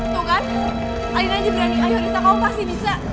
so kan kalian aja berani ayo cerita kamu pasti bisa